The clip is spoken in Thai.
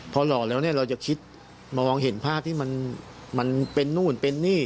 พอหล่อแล้วเนี่ยเราจะคิดมามองเห็นภาพที่มันเป็นนู่นเป็นนี่